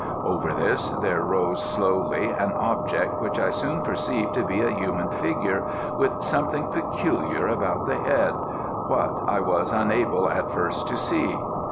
Over this there rose slowly an object which I soon perceived to be a human figure with something peculiar about the head what, I was unable at first to see.